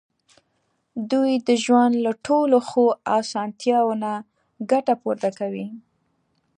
دوی د ژوند له ټولو ښو اسانتیاوو نه ګټه پورته کوي.